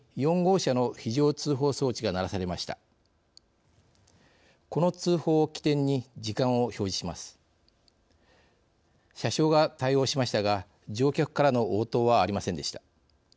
車掌が対応しましたが乗客からの応答はありませんでした。